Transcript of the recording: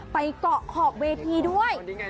ไปเกาะขอบเวทีด้วย